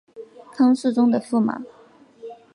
唐肃宗的驸马。